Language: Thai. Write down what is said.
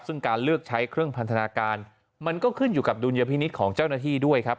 ซึ่งการเลือกใช้เครื่องพันธนาการมันก็ขึ้นอยู่กับดุลยพินิษฐ์ของเจ้าหน้าที่ด้วยครับ